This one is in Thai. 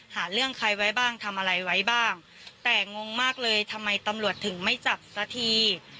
หาเรื่องใครไว้บ้างทำอะไรไว้บ้างแต่งงมากเลยทำไมตำรวจถึงไม่จับสักที